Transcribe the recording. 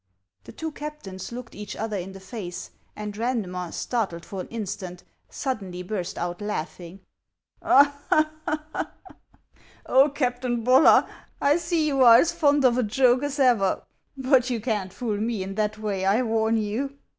The two captains looked each other in the face ; and Randmer, startled for an instant, suddenly burst out laughing. " Oh, Captain Bollar, I see you are as fond of a joke as ever ! But you can't fool me in that way, I warn you." HANS OF ICELAND.